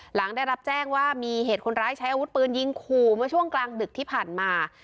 หลังได้รับแจ้งว่ามีเหตุคนร้ายใช้อาวุธปืนยิงขู่เมื่อช่วงกลางดึกที่ผ่านมา